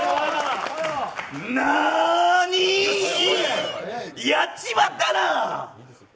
なーにーやっちまったなぁ。